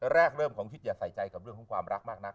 แรกเริ่มของคิดอย่าใส่ใจกับเรื่องของความรักมากนัก